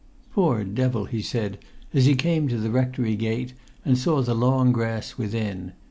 "Poor devil!" he said as he came to the rectory gate and saw the long grass within.